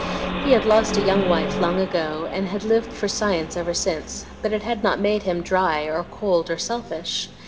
He had lost a young wife long ago, and had lived for science ever since, but it had not made him dry, or cold, or selfish.